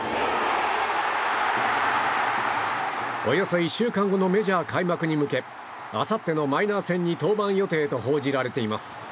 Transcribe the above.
およそ１週間後のメジャー開幕に向けあさってのマイナー戦に登板予定を報じられています。